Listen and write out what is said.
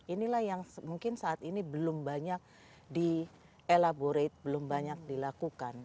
inilah yang mungkin saat ini belum banyak dielaborate belum banyak dilakukan